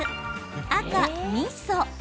赤・みそ。